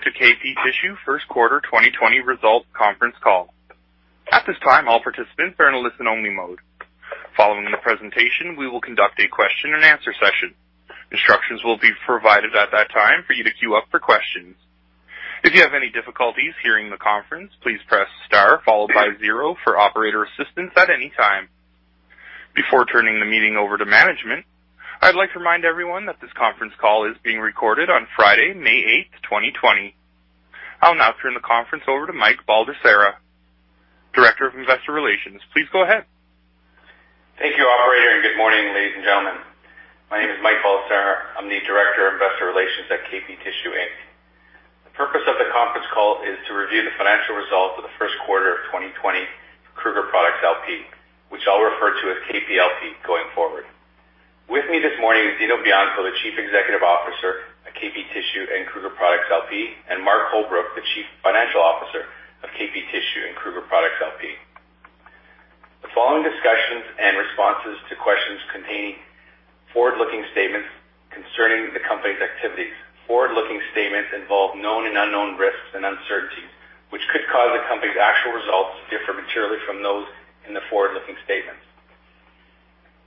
Welcome to KP Tissue First Quarter 2020 Results Conference Call. At this time, all participants are in a listen-only mode. Following the presentation, we will conduct a question-and-answer session. Instructions will be provided at that time for you to queue up for questions. If you have any difficulties hearing the conference, please press star followed by zero for operator assistance at any time. Before turning the meeting over to management, I'd like to remind everyone that this conference call is being recorded on Friday, May 8, 2020. I'll now turn the conference over to Mike Baldesarra, Director of Investor Relations. Please go ahead. Thank you, operator, and good morning, ladies and gentlemen. My name is Mike Baldesarra. I'm the Director of Investor Relations at KP Tissue Inc. The purpose of the conference call is to review the financial results of the first quarter of 2020 Kruger Products LP, which I'll refer to as KPLP going forward. With me this morning is Dino Bianco, the Chief Executive Officer at KP Tissue and Kruger Products LP, and Mark Holbrook, the Chief Financial Officer of KP Tissue and Kruger Products LP. The following discussions and responses to questions contain forward-looking statements concerning the company's activities. Forward-looking statements involve known and unknown risks and uncertainties, which could cause the company's actual results to differ materially from those in the forward-looking statements.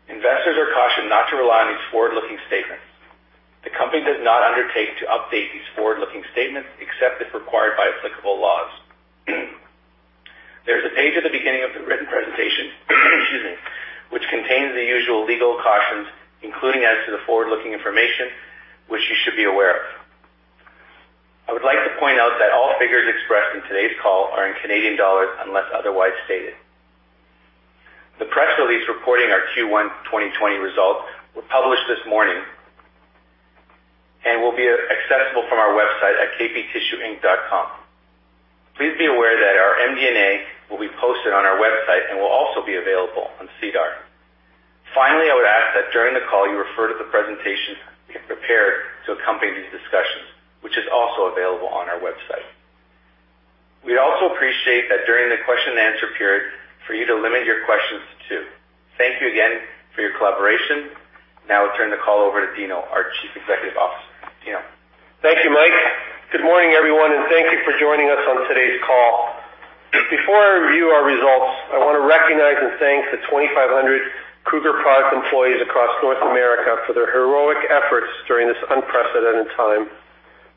Investors are cautioned not to rely on these forward-looking statements. The company does not undertake to update these forward-looking statements, except if required by applicable laws. There's a page at the beginning of the written presentation, excuse me, which contains the usual legal cautions, including as to the forward-looking information, which you should be aware of. I would like to point out that all figures expressed in today's call are in Canadian dollars, unless otherwise stated. The press release reporting our Q1 2020 results were published this morning and will be accessible from our website at kptissueinc.com. Please be aware that our MD&A will be posted on our website and will also be available on SEDAR. Finally, I would ask that during the call, you refer to the presentation we have prepared to accompany these discussions, which is also available on our website. We'd also appreciate that during the question and answer period for you to limit your questions to two. Thank you again for your collaboration. Now I'll turn the call over to Dino, our Chief Executive Officer. Dino? Thank you, Mike. Good morning, everyone, and thank you for joining us on today's call. Before I review our results, I wanna recognize and thank the 2,500 Kruger Products employees across North America for their heroic efforts during this unprecedented time.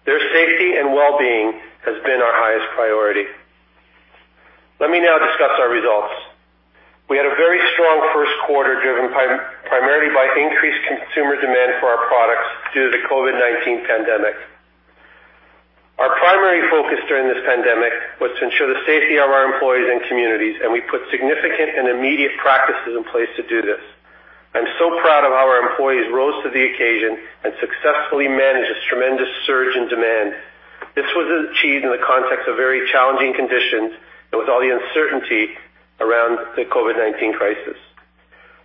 Their safety and well-being has been our highest priority. Let me now discuss our results. We had a very strong first quarter, driven primarily by increased consumer demand for our products due to the COVID-19 pandemic. Our primary focus during this pandemic was to ensure the safety of our employees and communities, and we put significant and immediate practices in place to do this. I'm so proud of how our employees rose to the occasion and successfully managed this tremendous surge in demand. This was achieved in the context of very challenging conditions with all the uncertainty around the COVID-19 crisis.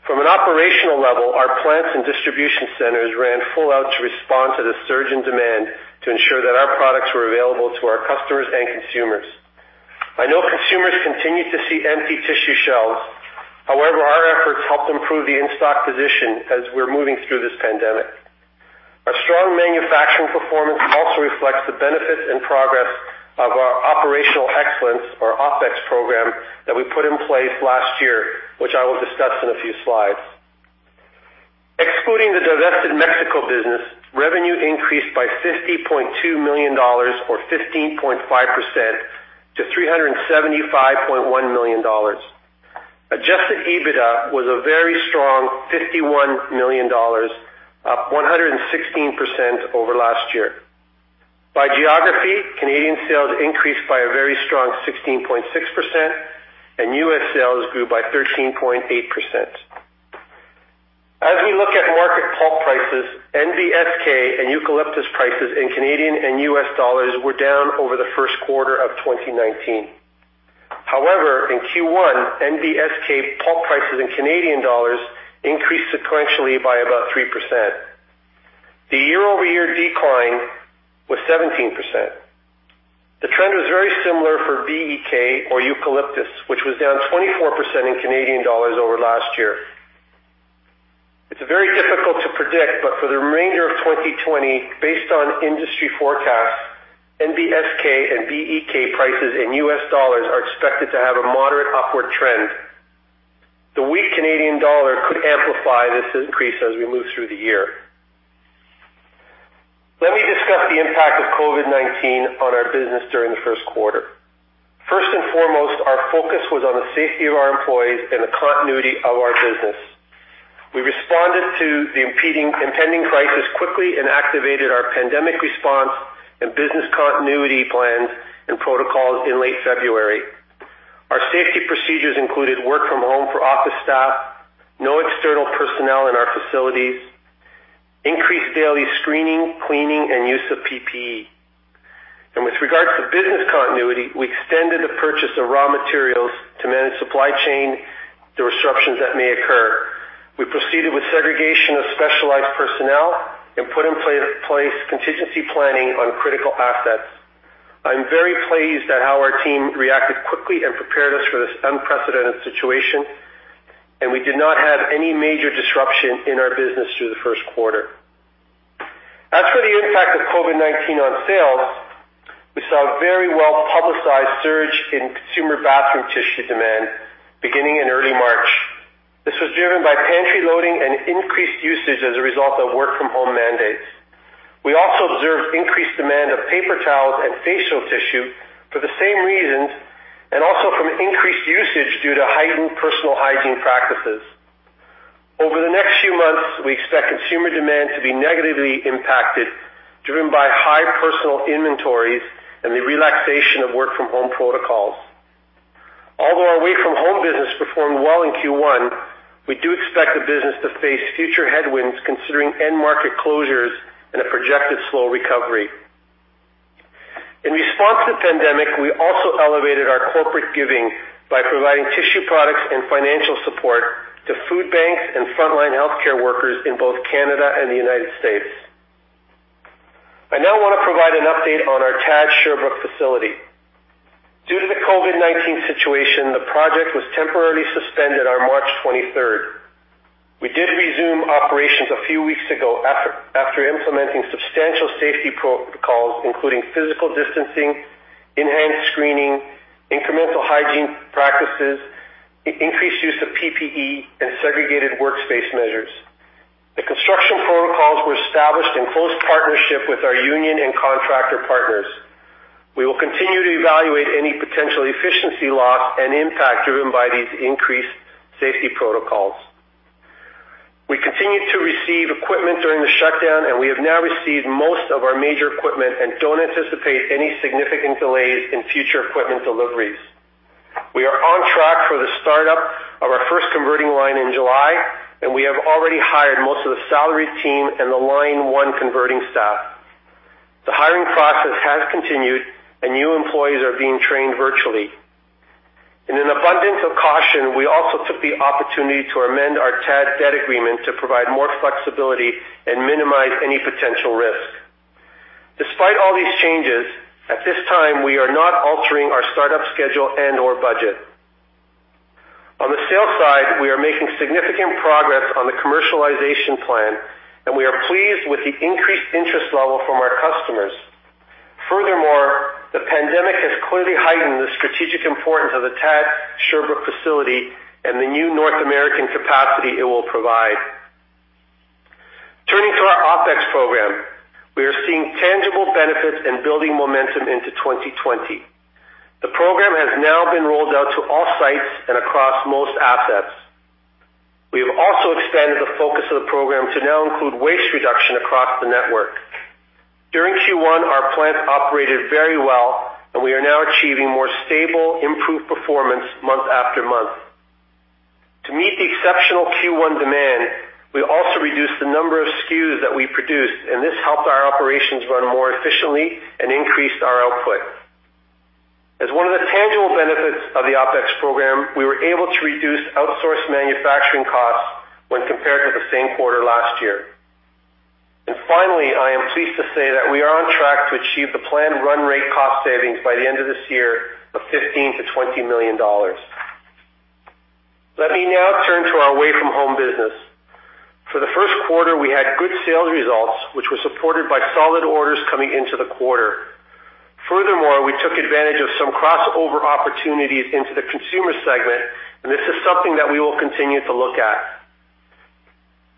From an operational level, our plants and distribution centers ran full out to respond to the surge in demand to ensure that our products were available to our customers and consumers. I know consumers continue to see empty tissue shelves. However, our efforts helped improve the in-stock position as we're moving through this pandemic. Our strong manufacturing performance also reflects the benefits and progress of our operational excellence, or OPEX program, that we put in place last year, which I will discuss in a few slides. Excluding the divested Mexico business, revenue increased by 50.2 million dollars, or 15.5%, to 375.1 million dollars. Adjusted EBITDA was a very strong 51 million dollars, up 116% over last year. By geography, Canadian sales increased by a very strong 16.6%, and U.S. sales grew by 13.8%. As we look at market pulp prices, NBSK and eucalyptus prices in Canadian and U.S. dollars were down over the first quarter of 2019. However, in Q1, NBSK pulp prices in Canadian dollars increased sequentially by about 3%. The year-over-year decline was 17%. The trend was very similar for BEK or eucalyptus, which was down 24% in Canadian dollars over last year. It's very difficult to predict, but for the remainder of 2020, based on industry forecasts, NBSK and BEK prices in U.S. dollars are expected to have a moderate upward trend. The weak Canadian dollar could amplify this increase as we move through the year. Let me discuss the impact of COVID-19 on our business during the first quarter. First and foremost, our focus was on the safety of our employees and the continuity of our business. We responded to the impending crisis quickly and activated our pandemic response and business continuity plans and protocols in late February. Our safety procedures included work from home for office staff, no external personnel in our facilities, increased daily screening, cleaning, and use of PPE. And with regards to business continuity, we extended the purchase of raw materials to manage supply chain, the disruptions that may occur. We proceeded with segregation of specialized personnel and put in place contingency planning on critical assets. I'm very pleased at how our team reacted quickly and prepared us for this unprecedented situation... and we did not have any major disruption in our business through the first quarter. As for the impact of COVID-19 on sales, we saw a very well-publicized surge in consumer bathroom tissue demand beginning in early March. This was driven by pantry loading and increased usage as a result of work-from-home mandates. We also observed increased demand of paper towels and facial tissue for the same reasons, and also from increased usage due to heightened personal hygiene practices. Over the next few months, we expect consumer demand to be negatively impacted, driven by high personal inventories and the relaxation of work-from-home protocols. Although our away-from-home business performed well in Q1, we do expect the business to face future headwinds, considering end market closures and a projected slow recovery. In response to the pandemic, we also elevated our corporate giving by providing tissue products and financial support to food banks and frontline healthcare workers in both Canada and the United States. I now want to provide an update on our TAD Sherbrooke facility. Due to the COVID-19 situation, the project was temporarily suspended on March 23rd. We did resume operations a few weeks ago after implementing substantial safety protocols, including physical distancing, enhanced screening, incremental hygiene practices, increased use of PPE, and segregated workspace measures. The construction protocols were established in close partnership with our union and contractor partners. We will continue to evaluate any potential efficiency loss and impact driven by these increased safety protocols. We continued to receive equipment during the shutdown, and we have now received most of our major equipment and don't anticipate any significant delays in future equipment deliveries. We are on track for the startup of our first converting line in July, and we have already hired most of the salaried team and the line one converting staff. The hiring process has continued, and new employees are being trained virtually. In an abundance of caution, we also took the opportunity to amend our TAD debt agreement to provide more flexibility and minimize any potential risk. Despite all these changes, at this time, we are not altering our startup schedule and/or budget. On the sales side, we are making significant progress on the commercialization plan, and we are pleased with the increased interest level from our customers. Furthermore, the pandemic has clearly heightened the strategic importance of the TAD Sherbrooke facility and the new North American capacity it will provide. Turning to our OPEX program, we are seeing tangible benefits and building momentum into 2020. The program has now been rolled out to all sites and across most assets. We have also expanded the focus of the program to now include waste reduction across the network. During Q1, our plant operated very well, and we are now achieving more stable, improved performance month after month. To meet the exceptional Q1 demand, we also reduced the number of SKUs that we produced, and this helped our operations run more efficiently and increased our output. As one of the tangible benefits of the OPEX program, we were able to reduce outsourced manufacturing costs when compared to the same quarter last year. Finally, I am pleased to say that we are on track to achieve the planned run rate cost savings by the end of this year of 15 million-20 million dollars. Let me now turn to our away-from-home business. For the first quarter, we had good sales results, which were supported by solid orders coming into the quarter. Furthermore, we took advantage of some crossover opportunities into the consumer segment, and this is something that we will continue to look at.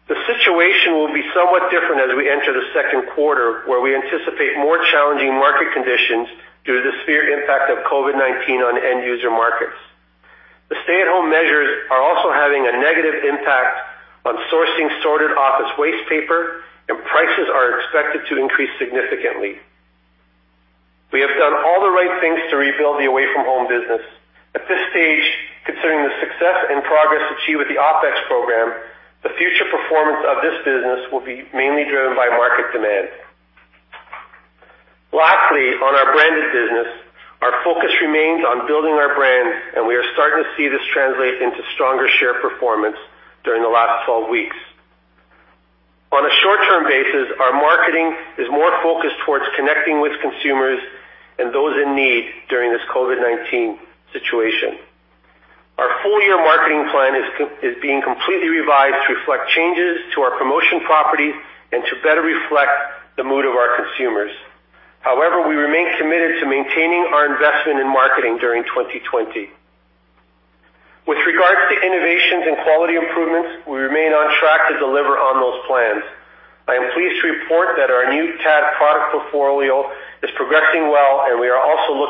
The situation will be somewhat different as we enter the second quarter, where we anticipate more challenging market conditions due to the severe impact of COVID-19 on end user markets. The stay-at-home measures are also having a negative impact on sourcing sorted office waste paper, and prices are expected to increase significantly. We have done all the right things to rebuild the away-from-home business. At this stage, considering the success and progress achieved with the OPEX program, the future performance of this business will be mainly driven by market demand. Lastly, on our branded business, our focus remains on building our brand, and we are starting to see this translate into stronger share performance during the last 12 weeks. On a short-term basis, our marketing is more focused towards connecting with consumers and those in need during this COVID-19 situation. Our full-year marketing plan is being completely revised to reflect changes to our promotion properties and to better reflect the mood of our consumers. However, we remain committed to maintaining our investment in marketing during 2020. With regards to innovations and quality improvements, we remain on track to deliver on those plans. I am pleased to report that our new TAD product portfolio is progressing well, and we are also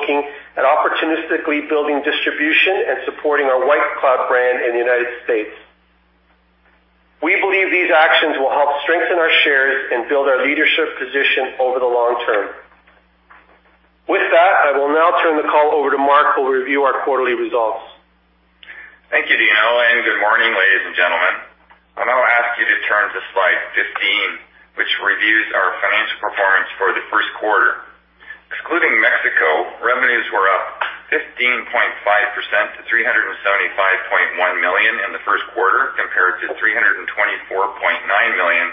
looking at opportunistically building distribution and supporting our White Cloud brand in the United States. We believe these actions will help strengthen our shares and build our leadership position over the long term. With that, I will now turn the call over to Mark, who will review our quarterly results. Thank you, Dino, and good morning, ladies and gentlemen. I'll now ask you to turn to slide 15, which reviews our financial performance for the first quarter. Excluding Mexico, revenues were up 15.5% to 375.1 million in the first quarter, compared to 324.9 million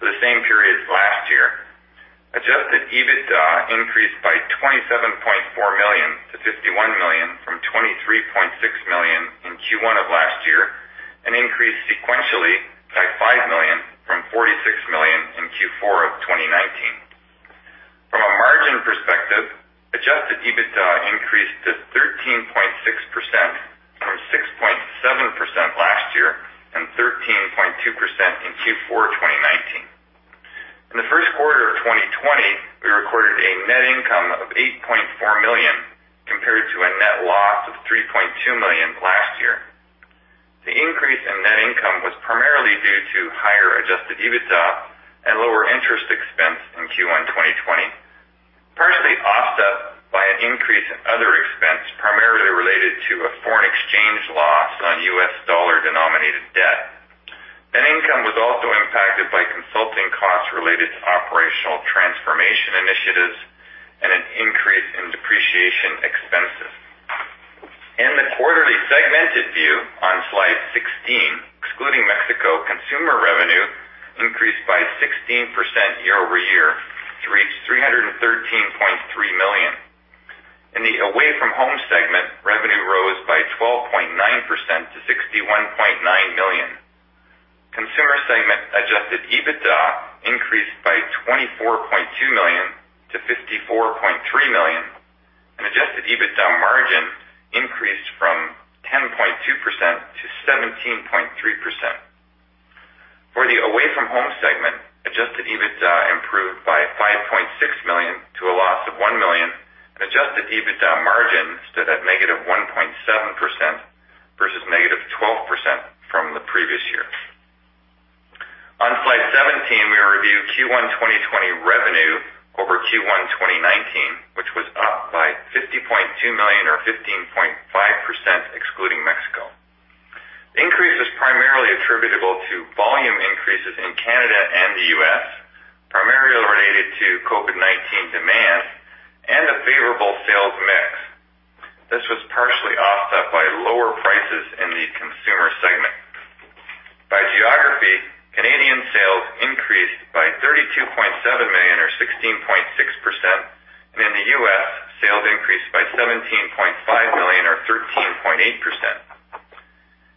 the same period last year. Adjusted EBITDA increased by 27.4 million to 51 million from 23.6 million in Q1 of last year, and increased sequentially by 5 million from 46 million in Q4 of 2019. From a margin perspective, Adjusted EBITDA increased to 13.6% from 6.7% last year, and 13.2% in Q4 2019. In the first quarter of 2020, we recorded a net income of 8.4 million, compared to a net loss of 3.2 million last year. The increase in net income was primarily due to higher Adjusted EBITDA and lower interest expense in Q1 2020, partially offset by an increase in other expense, primarily related to a foreign exchange loss on U.S. dollar-denominated debt. Net income was also impacted by consulting costs related to operational transformation initiatives and an increase in depreciation expenses. In the quarterly segmented view on slide 16, excluding Mexico, consumer revenue increased by 16% year-over-year to reach 313.3 million. In the away-from-home segment, revenue rose by 12.9% to CAD 61.9 million. Consumer segment Adjusted EBITDA increased by 24.2 million to 54.3 million, and Adjusted EBITDA margin increased from 10.2% to 17.3%. For the away-from-home segment, Adjusted EBITDA improved by 5.6 million to a loss of 1 million, and Adjusted EBITDA margin stood at -1.7% versus -12% from the previous year. On slide 17, we review Q1 2020 revenue over Q1 2019, which was up by 50.2 million or 15.5%, excluding Mexico. The increase is primarily attributable to volume increases in Canada and the U.S., primarily related to COVID-19 demand and a favorable sales mix. This was partially offset by lower prices in the consumer segment. By geography, Canadian sales increased by 32.7 million or 16.6%, and in the U.S., sales increased by 17.5 million or 13.8%.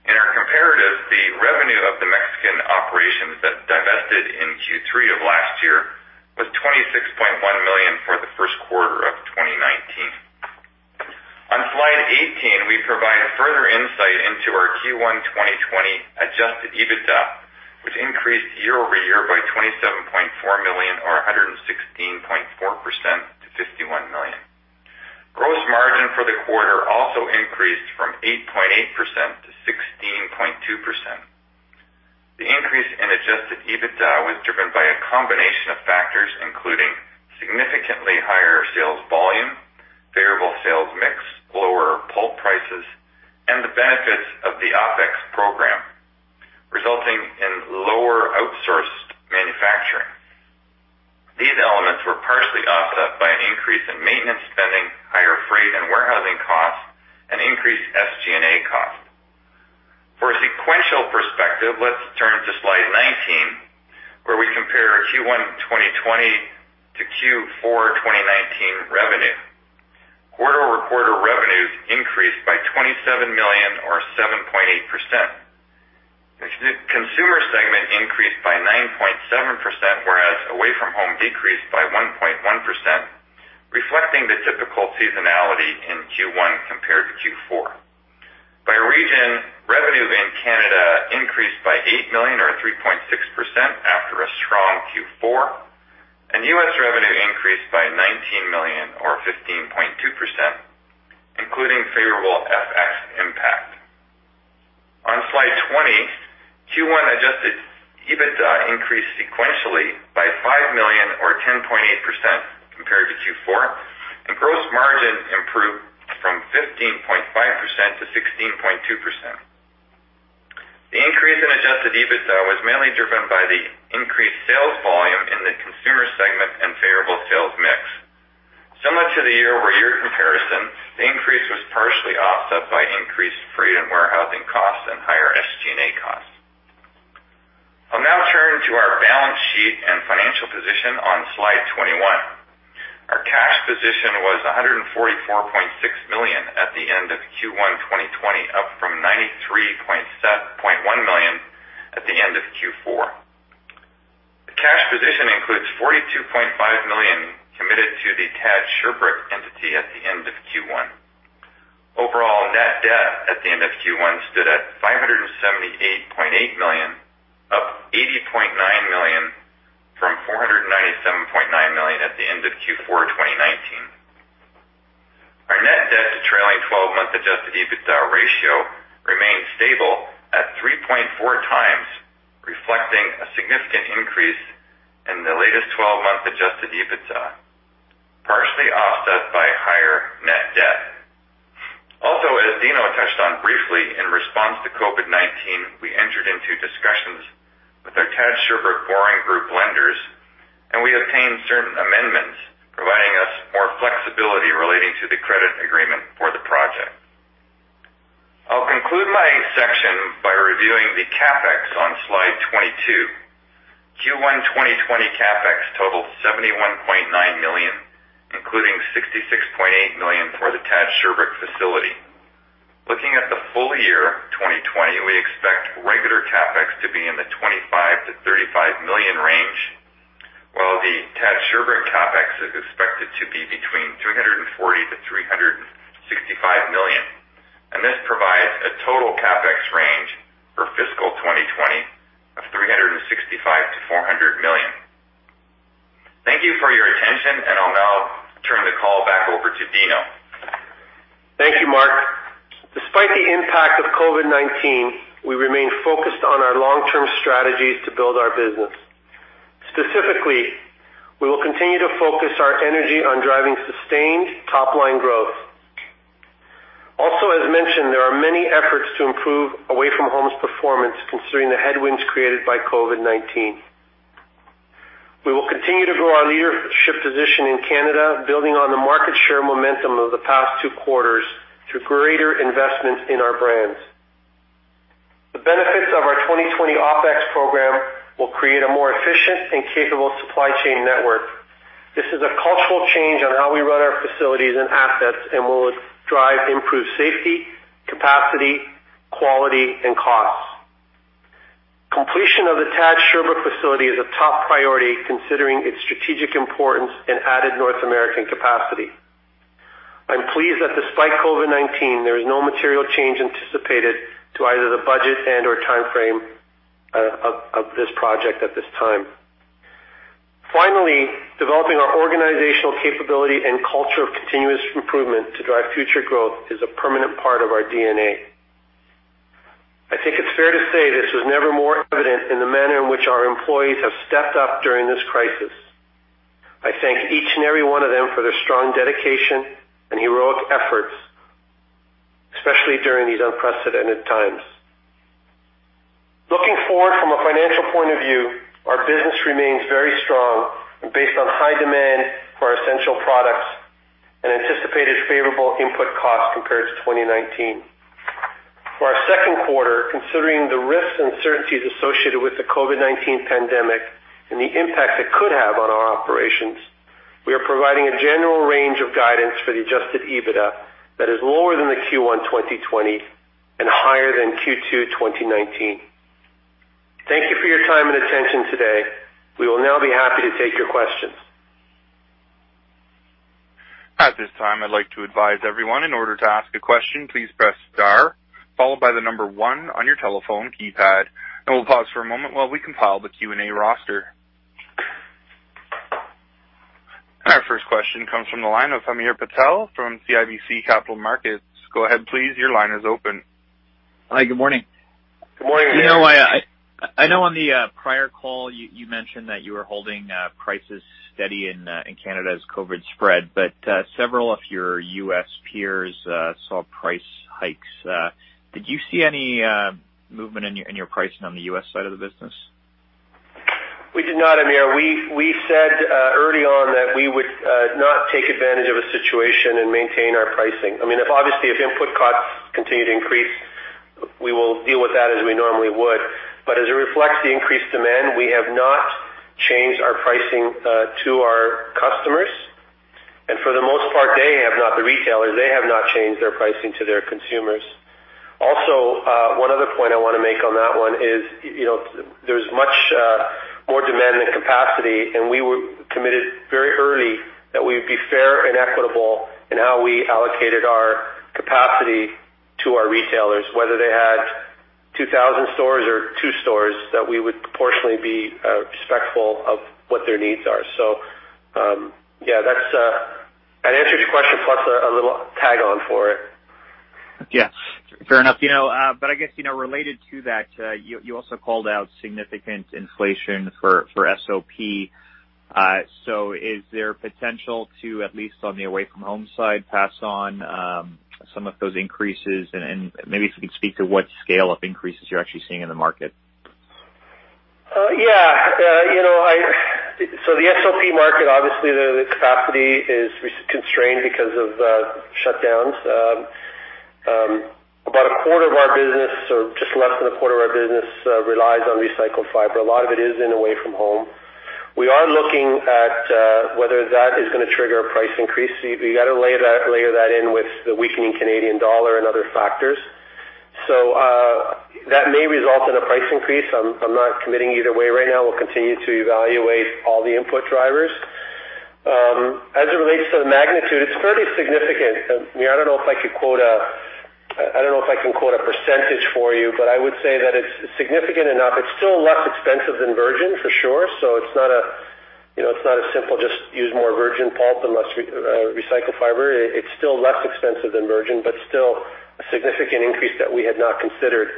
In our comparative, the revenue of the Mexican operations that divested in Q3 of last year was 26.1 million for the first quarter of 2019. On slide 18, we provide further insight into our Q1 2020 Adjusted EBITDA, which increased year-over-year by 27.4 million or 116.4% to 51 million. Gross margin for the quarter also increased from 8.8% to 16.2%. The increase in Adjusted EBITDA was driven by a combination of factors, including significantly higher sales volume, favorable sales mix, lower pulp prices, and the benefits of the OPEX program, resulting in lower outsourced manufacturing. These elements were partially offset by an increase in maintenance spending, higher freight and warehousing costs, and increased SG&A costs. For a sequential perspective, let's turn to slide 19, where we compare Q1 2020 to Q4 2019 revenue. Quarter-over-quarter revenues increased by 27 million or 7.8%. The consumer segment increased by 9.7%, whereas away from home decreased by 1.1%, reflecting the typical seasonality in Q1 compared to Q4. By region, revenues in Canada increased by 8 million or 3.6% after a strong Q4, and U.S. revenue increased by $19 million or 15.2%, including favorable FX impact. On slide 20, Q1 Adjusted EBITDA increased sequentially by 5 million or 10.8% compared to Q4, and gross margin improved from 15.5% to 16.2%. The increase in Adjusted EBITDA was mainly driven by the increased sales volume in the consumer segment and favorable sales mix. Similar to the year-over-year comparison, the increase was partially offset by increased freight and warehousing costs and higher SG&A costs. I'll now turn to our balance sheet and financial position on slide 21. Our cash position was CAD 144.6 million at the end of Q1 2020, up from CAD 93.1 million at the end of Q4. The cash position includes CAD 42.5 million committed to the TAD Sherbrooke entity at the end of Q1. Overall, net debt at the end of Q1 stood at 578.8 million, up 80.9 million from 497.9 million at the end of Q4 2019. Our net debt to trailing twelve-month Adjusted EBITDA ratio remains stable at 3.4 times, reflecting a significant increase in the latest twelve-month Adjusted EBITDA, partially offset by higher net debt. Also, as Dino touched on briefly, in response to COVID-19, we entered into discussions with our TAD Sherbrooke borrowing group lenders, and we obtained certain amendments providing us more flexibility relating to the credit agreement for the project. I'll conclude my section by reviewing the CapEx on slide 22. Q1 2020 CapEx totalled $71.9 million, including $66.8 million for the TAD Sherbrooke facility. Looking at the full year, 2020, we expect regular CapEx to be in the $25 million-$35 million range, while the TAD Sherbrooke CapEx is expected to be between $340 million-$365 million, and this provides a total CapEx range for fiscal 2020 of $365 million-$400 million. Thank you for your attention, and I'll now turn the call back over to Dino. Thank you, Mark. Despite the impact of COVID-19, we remain focused on our long-term strategies to build our business. Specifically, we will continue to focus our energy on driving sustained top line growth. Also, as mentioned, there are many efforts to improve away-from-home's performance, considering the headwinds created by COVID-19. We will continue to grow our leadership position in Canada, building on the market share momentum of the past two quarters through greater investments in our brands. The benefits of our 2020 OpEx program will create a more efficient and capable supply chain network. This is a cultural change on how we run our facilities and assets and will drive improved safety, capacity, quality and costs. Completion of the TAD Sherbrooke facility is a top priority, considering its strategic importance in added North American capacity. I'm pleased that despite COVID-19, there is no material change anticipated to either the budget and/or timeframe of this project at this time. Finally, developing our organizational capability and culture of continuous improvement to drive future growth is a permanent part of our DNA. I think it's fair to say this was never more evident in the manner in which our employees have stepped up during this crisis. I thank each and every one of them for their strong dedication and heroic efforts, especially during these unprecedented times. Looking forward, from a financial point of view, our business remains very strong and based on high demand for our essential products and anticipated favorable input costs compared to 2019. For our second quarter, considering the risks and uncertainties associated with the COVID-19 pandemic and the impact it could have on our operations, we are providing a general range of guidance for the Adjusted EBITDA that is lower than the Q1 2020 and higher than Q2 2019. Thank you for your time and attention today. We will now be happy to take your questions. At this time, I'd like to advise everyone in order to ask a question, please press star, followed by the number one on your telephone keypad, and we'll pause for a moment while we compile the Q&A roster. Our first question comes from the line of Hamir Patel from CIBC Capital Markets. Go ahead, please. Your line is open. Hi, good morning. Good morning, Hamir. You know, I know on the prior call, you mentioned that you were holding prices steady in Canada as COVID spread, but several of your U.S. peers saw price hikes. Did you see any movement in your pricing on the U.S. side of the business? We did not, Hamir. We said early on that we would not take advantage of a situation and maintain our pricing. I mean, if obviously, if input costs continue to increase, we will deal with that as we normally would. But as it reflects the increased demand, we have not changed our pricing to our customers, and for the most part, they have not the retailers. They have not changed their pricing to their consumers. Also, one other point I wanna make on that one is, you know, there's much more demand than capacity, and we were committed very early that we'd be fair and equitable in how we allocated our capacity to our retailers, whether they had 2,000 stores or two stores, that we would proportionately be respectful of what their needs are. So, yeah, that's. I answered your question, plus a little tag on for it. Yeah, fair enough. You know, but I guess, you know, related to that, you also called out significant inflation for SOP. So is there potential to, at least on the away from home side, pass on some of those increases? And maybe if you can speak to what scale of increases you're actually seeing in the market. Yeah. You know, so the SOP market, obviously, the capacity is constrained because of shutdowns. About a quarter of our business, or just less than a quarter of our business, relies on recycled fiber. A lot of it is in away from home. We are looking at whether that is gonna trigger a price increase. We got to lay that, layer that in with the weakening Canadian dollar and other factors. So, that may result in a price increase. I'm not committing either way right now. We'll continue to evaluate all the input drivers. As it relates to the magnitude, it's fairly significant. I mean, I don't know if I could quote a - I don't know if I can quote a percentage for you, but I would say that it's significant enough. It's still less expensive than virgin, for sure, so it's not a, you know, it's not as simple, just use more virgin pulp than less, recycled fiber. It's still less expensive than virgin, but still a significant increase that we had not considered.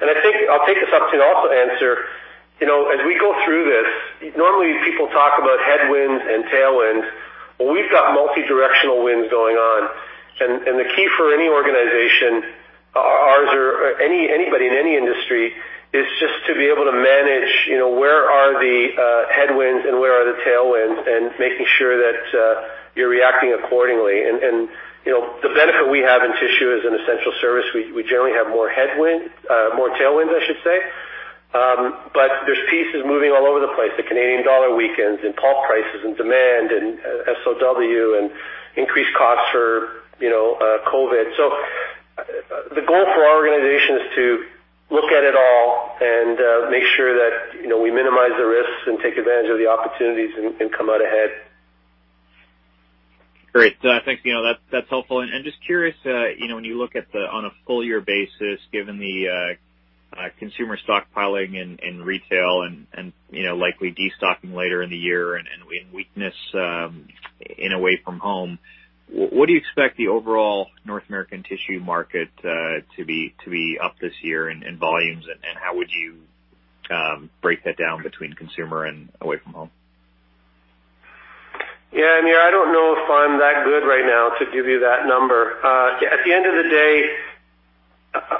And I think I'll take this opportunity to also answer, you know, as we go through this, normally people talk about headwinds and tailwinds. Well, we've got multi-directional winds going on, and, and the key for any organization, ours or anybody in any industry, is just to be able to manage, you know, where are the, headwinds and where are the tailwinds, and making sure that, you're reacting accordingly... And, and, you know, the benefit we have in tissue as an essential service, we, we generally have more headwind, more tailwinds, I should say. But there's pieces moving all over the place, the Canadian dollar weakens, and pulp prices, and demand, and SOW, and increased costs for, you know, COVID. So, the goal for our organization is to look at it all and, make sure that, you know, we minimize the risks and take advantage of the opportunities and, and come out ahead. Great. Thanks, you know, that's, that's helpful. And just curious, you know, when you look at the on a full year basis, given the consumer stockpiling and retail and, you know, likely destocking later in the year and weakness in away from home, what do you expect the overall North American tissue market to be up this year in volumes, and how would you break that down between consumer and away from home? Yeah, Hamir, I don't know if I'm that good right now to give you that number. At the end of the day,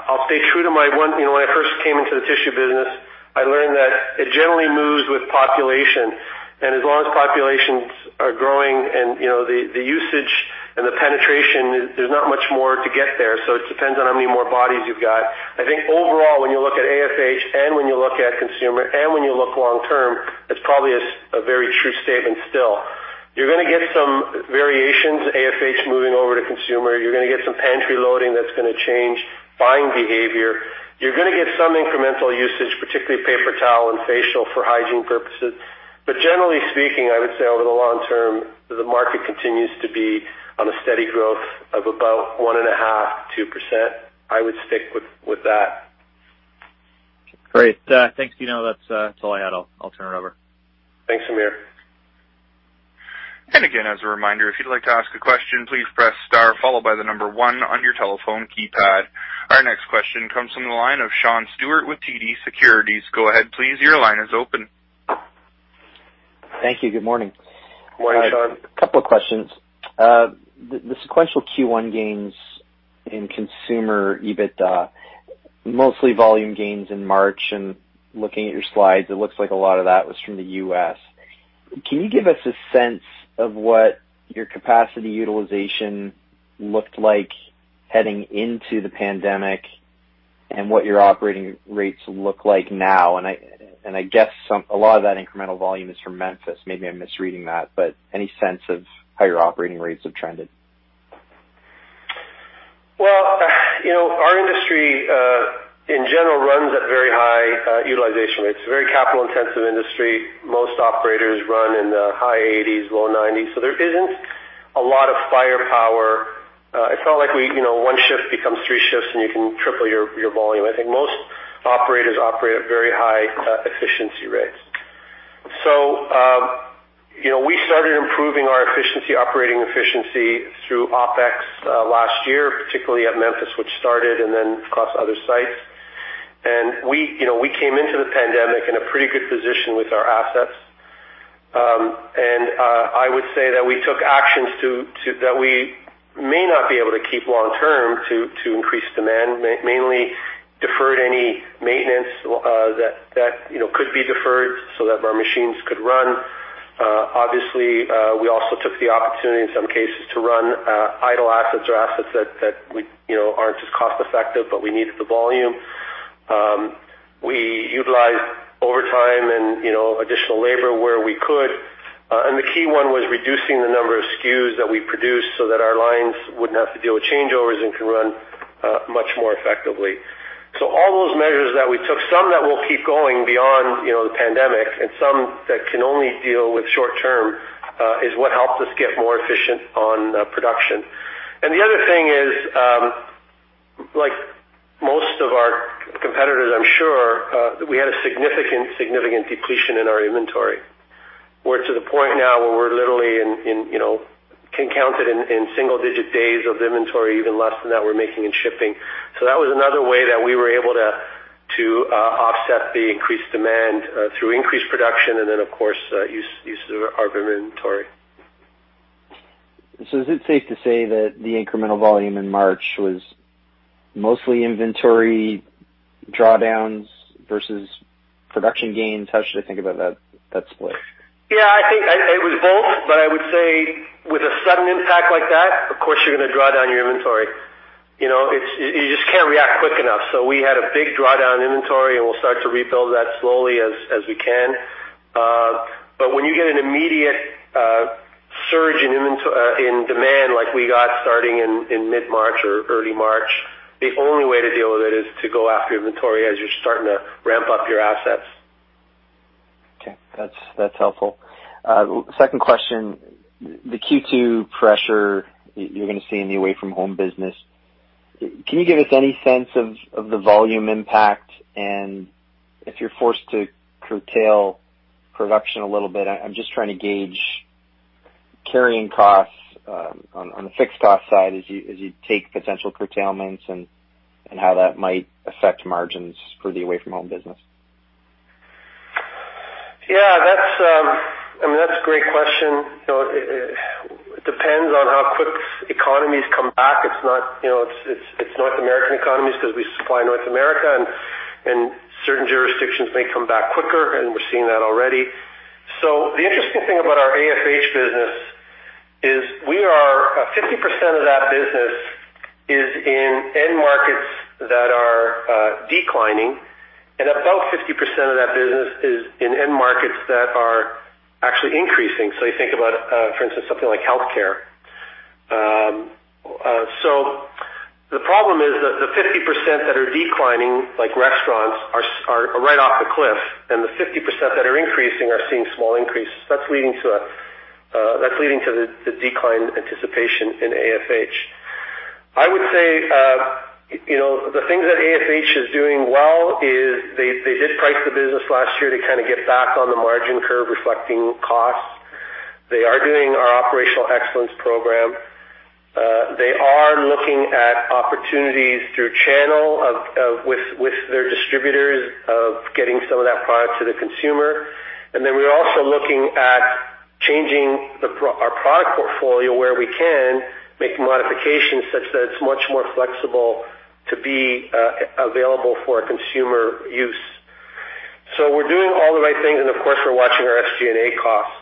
I'll stay true to my one—you know, when I first came into the tissue business, I learned that it generally moves with population. And as long as populations are growing and, you know, the usage and the penetration, there's not much more to get there. So it depends on how many more bodies you've got. I think overall, when you look at AFH and when you look at consumer and when you look long term, it's probably a very true statement still. You're gonna get some variations, AFH moving over to consumer. You're gonna get some pantry loading that's gonna change buying behavior. You're gonna get some incremental usage, particularly paper towel and facial, for hygiene purposes. Generally speaking, I would say over the long term, the market continues to be on a steady growth of about 1.5%-2%. I would stick with that. Great. Thanks, Dino. That's all I had. I'll turn it over. Thanks, Hamir. And again, as a reminder, if you'd like to ask a question, please press star, followed by the number one on your telephone keypad. Our next question comes from the line of Sean Steuart with TD Securities. Go ahead, please. Your line is open. Thank you. Good morning. Morning, Sean. A couple of questions. The sequential Q1 gains in consumer EBITDA, mostly volume gains in March, and looking at your slides, it looks like a lot of that was from the U.S.. Can you give us a sense of what your capacity utilization looked like heading into the pandemic and what your operating rates look like now? And I guess a lot of that incremental volume is from Memphis. Maybe I'm misreading that, but any sense of how your operating rates have trended? Well, you know, our industry, in general, runs at very high utilization rates, a very capital-intensive industry. Most operators run in the high 80s, low 90s, so there isn't a lot of firepower. It's not like we, you know, one shift becomes three shifts, and you can triple your, your volume. I think most operators operate at very high efficiency rates. So, you know, we started improving our efficiency, operating efficiency through OpEx, last year, particularly at Memphis, which started and then across other sites. And we, you know, we came into the pandemic in a pretty good position with our assets. And, I would say that we took actions that we may not be able to keep long term to increase demand, mainly deferred any maintenance that you know could be deferred so that our machines could run. Obviously, we also took the opportunity in some cases to run idle assets or assets that we you know aren't as cost effective, but we needed the volume. We utilized overtime and, you know, additional labor where we could. And the key one was reducing the number of SKUs that we produced so that our lines wouldn't have to deal with changeovers and can run much more effectively. So all those measures that we took, some that will keep going beyond, you know, the pandemic and some that can only deal with short term, is what helped us get more efficient on, production. And the other thing is, like most of our competitors, I'm sure, we had a significant, significant depletion in our inventory. We're to the point now where we're literally in, you know, can count it in single digit days of inventory, even less than that, we're making and shipping. So that was another way that we were able to, to, offset the increased demand, through increased production and then, of course, use of our inventory. So is it safe to say that the incremental volume in March was mostly inventory drawdowns versus production gains? How should I think about that, that split? Yeah, I think it was both, but I would say with a sudden impact like that, of course, you're gonna draw down your inventory. You know, you just can't react quick enough. So we had a big drawdown inventory, and we'll start to rebuild that slowly as we can. But when you get an immediate surge in demand, like we got starting in mid-March or early March, the only way to deal with it is to go after inventory as you're starting to ramp up your assets. Okay. That's, that's helpful. Second question, the Q2 pressure you're gonna see in the away from home business, can you give us any sense of the volume impact? And if you're forced to curtail production a little bit, I'm just trying to gauge carrying costs on the fixed cost side as you take potential curtailments and how that might affect margins for the away from home business. Yeah, that's, I mean, that's a great question. So it depends on how quick economies come back. It's not, you know, it's North American economies because we supply North America, and certain jurisdictions may come back quicker, and we're seeing that already. So the interesting thing about our AFH business is we are, 50% of that business is in end markets that are declining, and about 50% of that business is in end markets that are actually increasing. So you think about, for instance, something like healthcare. So the problem is that the 50% that are declining, like restaurants, are right off the cliff, and the 50% that are increasing are seeing small increases. That's leading to a, that's leading to the decline anticipation in AFH. I would say, you know, the things that AFH is doing well is they did price the business last year to kind of get back on the margin curve, reflecting costs. They are doing our operational excellence program. They are looking at opportunities through channel with their distributors of getting some of that product to the consumer. And then we're also looking at changing our product portfolio, where we can, making modifications such that it's much more flexible to be available for consumer use. So we're doing all the right things, and of course, we're watching our SG&A costs.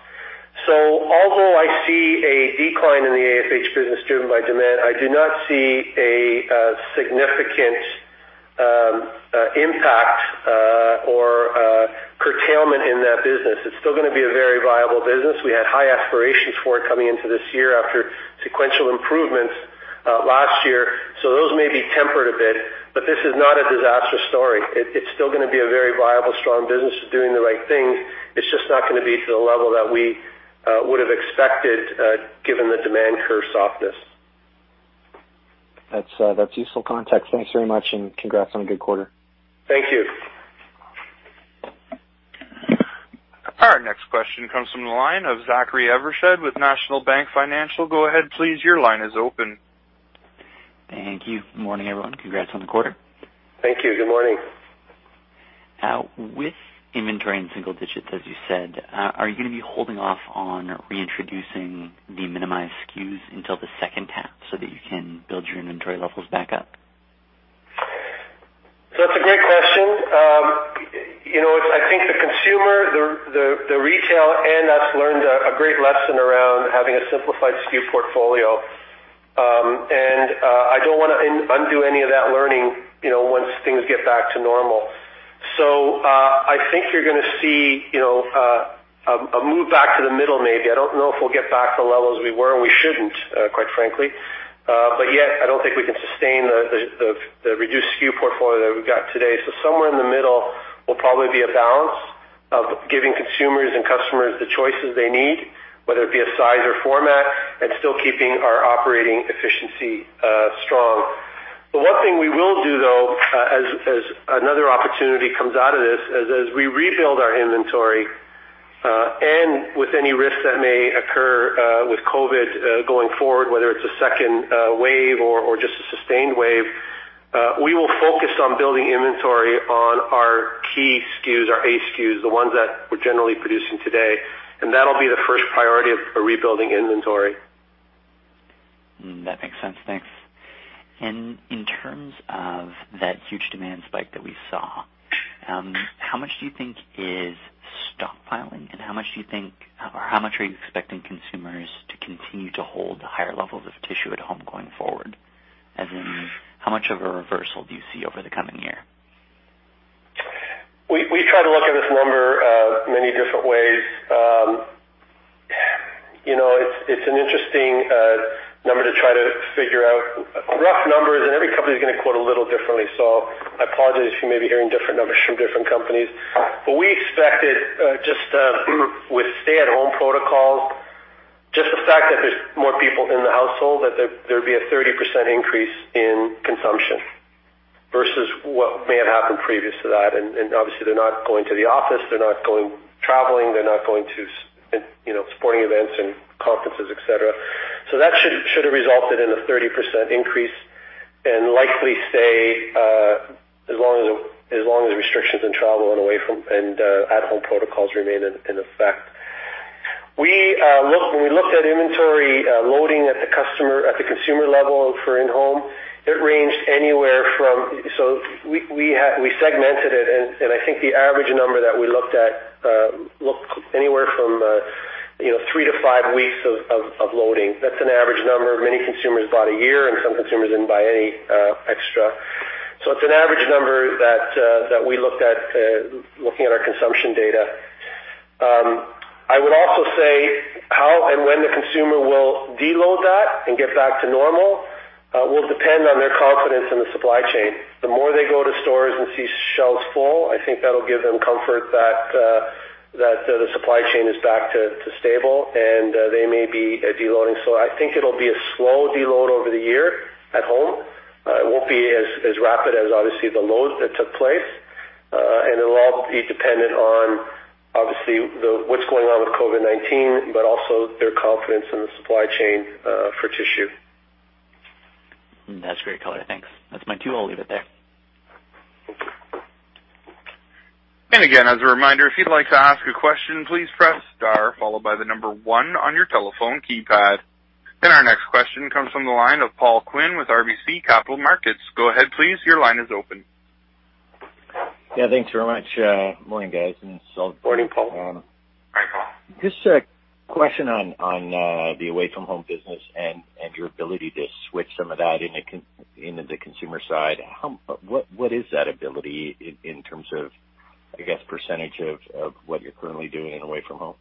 So although I see a decline in the AFH business driven by demand, I do not see a significant impact or curtailment in that business. It's still gonna be a very viable business. We had high aspirations for it coming into this year after sequential improvements last year. So those may be tempered a bit, but this is not a disaster story. It's still gonna be a very viable, strong business. It's doing the right thing. It's just not gonna be to the level that we would have expected given the demand curve softness. That's, that's useful context. Thanks very much, and congrats on a good quarter. Thank you. Our next question comes from the line of Zachary Evershed with National Bank Financial. Go ahead, please. Your line is open. Thank you. Good morning, everyone. Congrats on the quarter. Thank you. Good morning. With inventory in single digits, as you said, are you gonna be holding off on reintroducing the minimized SKUs until the second half so that you can build your inventory levels back up? So that's a great question. You know, I think the consumer, the retail and us learned a great lesson around having a simplified SKU portfolio. And I don't wanna undo any of that learning, you know, once things get back to normal. So I think you're gonna see, you know, a move back to the middle, maybe. I don't know if we'll get back to the levels we were. We shouldn't, quite frankly. But yet, I don't think we can sustain the reduced SKU portfolio that we've got today. So somewhere in the middle will probably be a balance of giving consumers and customers the choices they need, whether it be a size or format, and still keeping our operating efficiency strong. The one thing we will do, though, as another opportunity comes out of this, as we rebuild our inventory, and with any risks that may occur, with COVID going forward, whether it's a second wave or just a sustained wave, we will focus on building inventory on our key SKUs, our A SKUs, the ones that we're generally producing today, and that'll be the first priority of rebuilding inventory. That makes sense. Thanks. And in terms of that huge demand spike that we saw, how much do you think is stockpiling, and how much do you think, or how much are you expecting consumers to continue to hold higher levels of tissue at home going forward? As in, how much of a reversal do you see over the coming year? We try to look at this number many different ways. You know, it's an interesting number to try to figure out. Rough numbers, and every company is gonna quote a little differently, so I apologize if you may be hearing different numbers from different companies. But we expected, just with stay-at-home protocols, just the fact that there's more people in the household, that there'd be a 30% increase in consumption versus what may have happened previous to that. And obviously, they're not going to the office, they're not going traveling, they're not going to you know, sporting events and conferences, et cetera. So that should have resulted in a 30% increase and likely stay as long as restrictions in travel and away from and at-home protocols remain in effect. We looked, when we looked at inventory loading at the customer, at the consumer level for in-home, it ranged anywhere from 3-5 weeks of loading. So we segmented it, and I think the average number that we looked at looked anywhere from, you know, 3-5 weeks. That's an average number. Many consumers bought a year, and some consumers didn't buy any extra. So it's an average number that we looked at, looking at our consumption data. I would also say how and when the consumer will deload that and get back to normal will depend on their confidence in the supply chain. The more they go to stores and see shelves full, I think that'll give them comfort that that the supply chain is back to stable, and they may be deloading. So I think it'll be a slow deload over the year at home. It won't be as rapid as obviously the load that took place, and it'll all be dependent on, obviously, what's going on with COVID-19, but also their confidence in the supply chain for tissue. That's great color. Thanks. That's my cue. I'll leave it there. And again, as a reminder, if you'd like to ask a question, please press star, followed by the number one on your telephone keypad. And our next question comes from the line of Paul Quinn with RBC Capital Markets. Go ahead, please. Your line is open. Yeah, thanks very much. Morning, guys. And so- Morning, Paul. Hi, Paul. Just a question on the away-from-home business and your ability to switch some of that into the consumer side. How—what is that ability in terms of, I guess, percentage of what you're currently doing in away from home?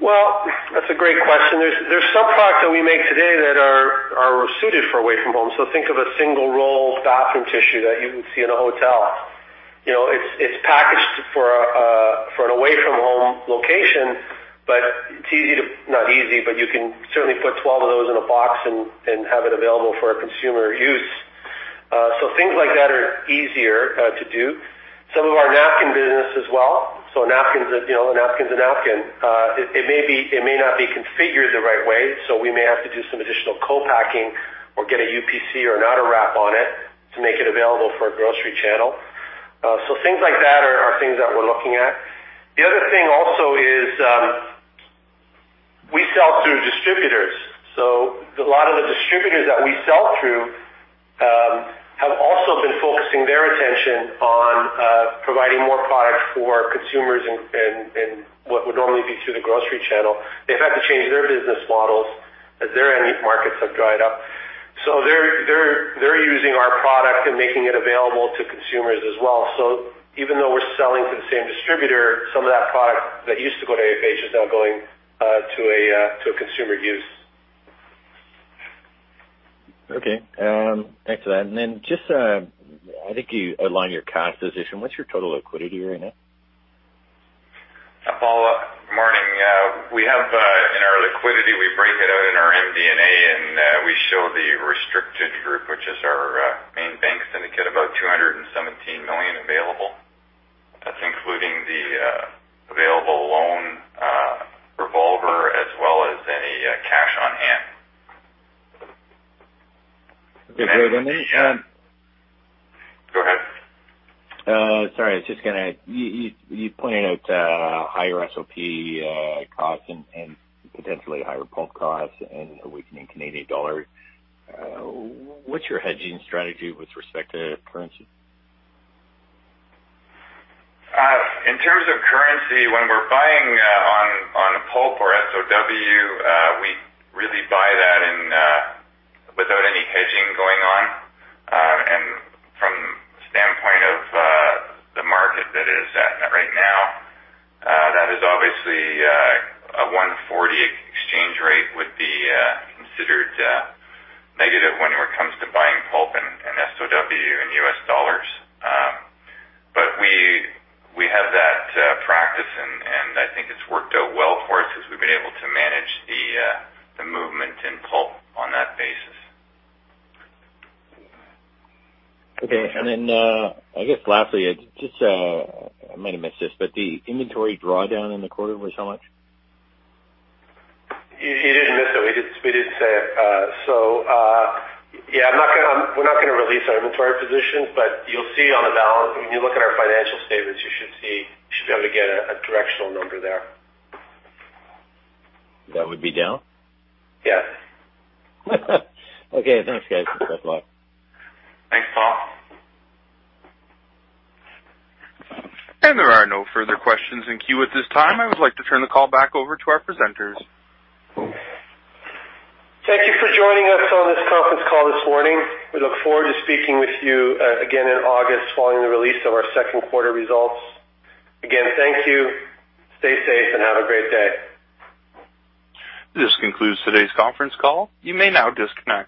Well, that's a great question. There's some products that we make today that are suited for away from home. So think of a single-roll bathroom tissue that you would see in a hotel. You know, it's packaged for an away-from-home location, but it's easy to... Not easy, but you can certainly put 12 of those in a box and have it available for a consumer use. So things like that are easier to do. Some of our napkin business as well. So napkins, you know, a napkin is a napkin. It may be, it may not be configured the right way, so we may have to do some additional co-packing or get a UPC or not a wrap on it to make it available for a grocery channel. So things like that are things that we're looking at. The other thing also is, we sell through distributors. So a lot of the distributors that we sell through have also been focusing their attention on providing more product for consumers and what would normally be through the grocery channel. They've had to change their business models as their end markets have dried up. So they're using our product and making it available to consumers as well. So even though we're selling to the same distributor, some of that product that used to go to AFH is now going to a consumer use. Okay, thanks for that. And then just, I think you outlined your cost position. What's your total liquidity right now? Paul, morning. We have, in our liquidity, we break it out in our MD&A, and we show the restricted group, which is our main bank syndicate, about 217 million available. That's including the available loan, revolver, as well as any cash on hand. Okay, great. And then, Go ahead. Sorry, I was just gonna... You pointed out higher SOP costs and potentially higher pulp costs and a weakening Canadian dollar. What's your hedging strategy with respect to currency? In terms of currency, when we're buying on pulp or SOW, we really buy that in without any hedging going on. From the standpoint of the market that it is at right now, that is obviously a 1.40 exchange rate would be considered negative when it comes to buying pulp and SOW in U.S. dollars. But we have that practice, and I think it's worked out well for us as we've been able to manage the movement in pulp on that basis. Okay. And then, I guess lastly, just, I might have missed this, but the inventory drawdown in the quarter was how much? You didn't miss it. We did say it. So, yeah, I'm not gonna—we're not gonna release our inventory position, but you'll see on the balance, when you look at our financial statements, you should see, you should be able to get a directional number there. That would be down? Yes. Okay, thanks, guys. Best of luck. Thanks, Paul. There are no further questions in queue at this time. I would like to turn the call back over to our presenters. Thank you for joining us on this conference call this morning. We look forward to speaking with you again in August, following the release of our second quarter results. Again, thank you. Stay safe and have a great day. This concludes today's conference call. You may now disconnect.